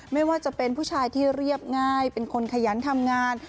ไม่ว่าจะเป็นผู้ชายที่เรียบง่ายเป็นคนขยันทำงาน